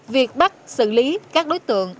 việc bắt xử lý các đối tượng